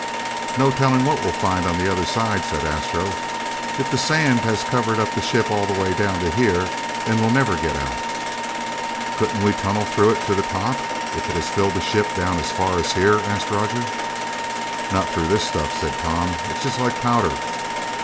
"No telling what we'll find on the other side," said Astro. "If the sand has covered up the ship all the way down to here, then we'll never get out!" "Couldn't we tunnel through it to the top, if it has filled the ship down as far as here?" asked Roger. "Not through this stuff," said Tom. "It's just like powder."